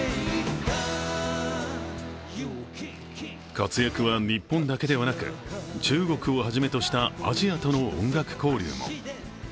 活躍は日本だけではなく中国をはじめとしたアジアとの音楽交流も。